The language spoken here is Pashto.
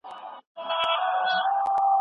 د کلتور پوهه د ټولني په وده کې اغیزه لري.